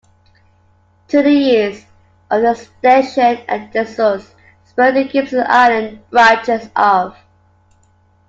To the east of the station a disused spur to Gibson Island branches off.